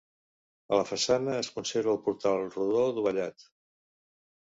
A la façana es conserva el portal rodó dovellat.